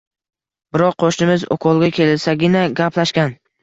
Biror qo‘shnimiz ukolga kelsagina, gaplashgan.